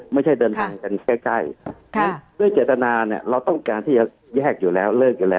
ไม่ใช่เดินทางกันใกล้